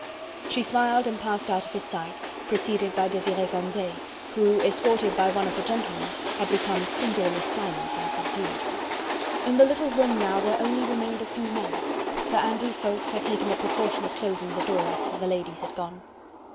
She smiled and passed out of his sight, preceded by Desiree Candeille, who, escorted by one of the gentlemen, had become singularly silent and subdued. In the little room now there only remained a few men. Sir Andrew Ffoulkes had taken the precaution of closing the door after the ladies had gone.